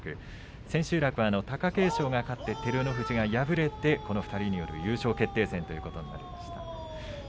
千秋楽、貴景勝が勝って照ノ富士が敗れて２人による優勝決定戦ということになりました。